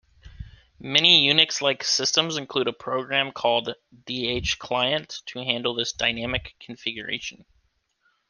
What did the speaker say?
Many Unix-like systems include a program called dhclient to handle this dynamic configuration.